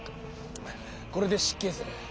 これで失敬する。